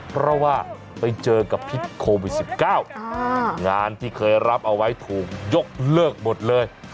เพราะว่าไปเจอกับพิษโควิด๑๙งานที่เคยรับเอาไว้ถูกยกเลิกหมดเลย